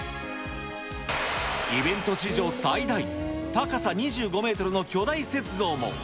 イベント史上最大、高さ２５メートルの巨大雪像も。